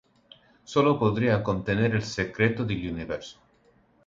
Sólo podría contener el secreto del universo".